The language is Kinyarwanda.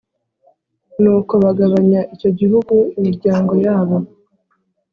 Nuko bagabanya icyo gihugu imiryango yabo